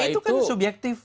itu kan subjektif